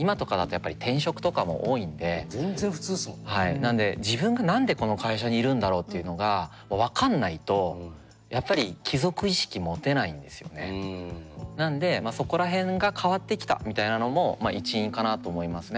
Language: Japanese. なので「自分が何でこの会社にいるんだろう？」っていうのが分かんないとやっぱりなんでそこら辺が変わってきたみたいなのも一因かなと思いますね。